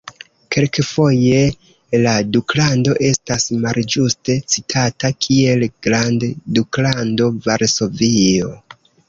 Kelkfoje la duklando estas malĝuste citata kiel "grandduklando Varsovio".